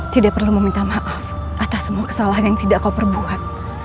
tidak perlu meminta maaf atas semua kesalahan yang tidak kau perbuat